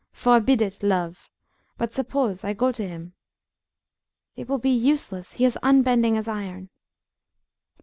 Forbid it, love! But suppose I go to him?" "It will be useless! He is as unbending as iron."